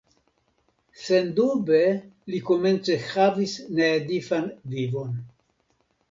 Sendube li komence havis needifan vivon.